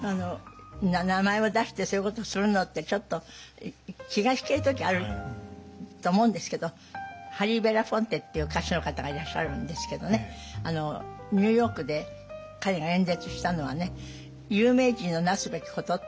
名前を出してそういうことをするのってちょっと気が引ける時あると思うんですけどハリー・ベラフォンテっていう歌手の方がいらっしゃるんですけどねニューヨークで彼が演説したのは有名人のなすべきことって言ったのね。